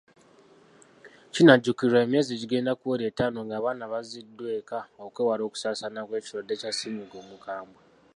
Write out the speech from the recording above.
Kinajjukirwa emyezi gigenda kuwera ettaano nga abaana baziddwa eka okwewala okusaasaana kw’ekirwadde kya ssennyiga omukambwe.